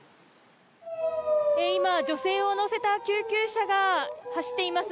今、女性を乗せた救急車が走っています。